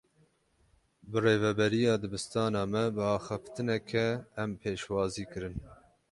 Birêveberiya dibistana me bi axaftinekê em pêşwazî kirin.